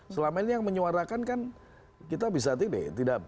selama ini yang menyuarakan kan kita bisa tidak